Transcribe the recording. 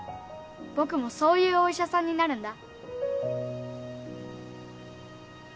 僕もそういうお医者さんになるんだ。